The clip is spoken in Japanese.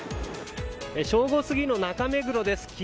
正午過ぎの中目黒です。